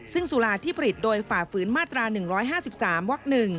ซึ่งสุราที่ผลิตโดยฝ่าฝืนมาตรา๑๕๓วัก๑